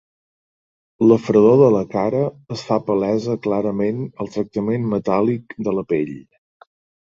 La fredor de la cara es fa palesa clarament al tractament metàl·lic de pell.